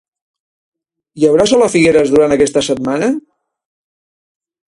Hi haurà sol a Figueres durant aquesta setmana?